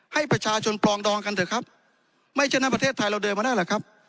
ให้ประชาชนปลองดองกันเถอะครับไม่เช่นนั้นประเทศไทยเราเดินมาได้หรอกครับ